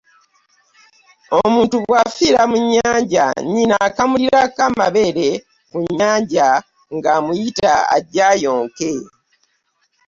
Omuntu bwafiira mu nnyanja nnyina akamulirako amabeere ku nnyanja nga amuyiya ajje ayonke.